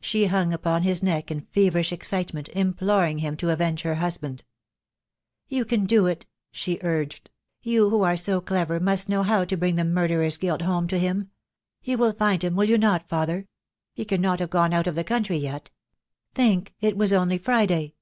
She hung upon his neck in feverish excitement, imploring him to avenge her husband. "You can do it," she urged; "you who are so clever must know how to bring the murderer's guilt home to him. You will find him, will you not, father? He can not have got out of the country yet. Think, it was only Friday.